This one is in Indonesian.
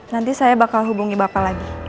nanti saya bakal hubungi bapak lagi